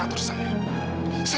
kamu tidak berhak mengatur saya